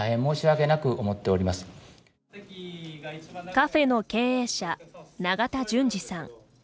カフェの経営者、永田順治さん。